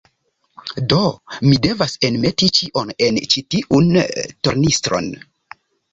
Do, mi devas enmeti ĉion en ĉi tiun tornistron.